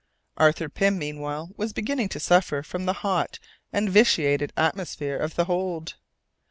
Arthur Pym, meanwhile, was beginning to suffer from the hot and vitiated atmosphere of the hold.